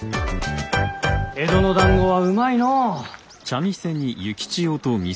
江戸の団子はうまいのう。